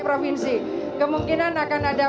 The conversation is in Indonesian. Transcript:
provinsi kemungkinan akan ada